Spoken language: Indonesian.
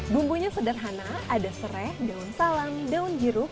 bumbunya sederhana ada serai daun salam daun jeruk